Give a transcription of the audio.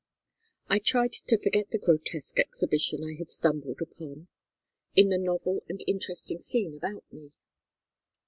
I tried to forget the grotesque exhibition I had stumbled upon, in the novel and interesting scene about me.